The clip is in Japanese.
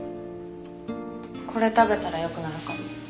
これ食べたらよくなるかも。